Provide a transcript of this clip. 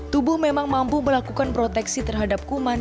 tubuh memang mampu melakukan proteksi terhadap kuman